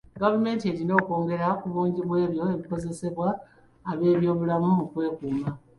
Gavumenti erina okwongera ku bungi bw'ebyo ebikozesebwa ab'ebyobulamu mu kwekuuma